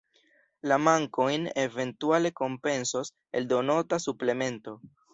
La mankojn eventuale kompensos eldonota suplemento.